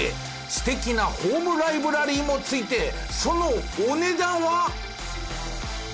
素敵なホームライブラリーも付いてそのお値段は！？